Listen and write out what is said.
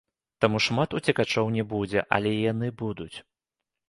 Таму шмат уцекачоў не будзе, але яны будуць.